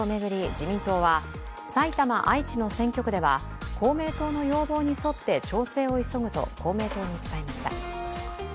自民党は埼玉、愛知の選挙区では公明党の要望に沿って調整を急ぐと公明党に伝えました。